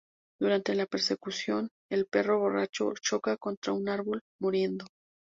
Durante la persecución, el perro borracho choca contra un árbol, muriendo.